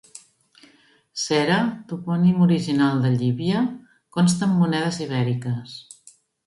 Cere toponim original de Llivia consta en monedes ibèriques.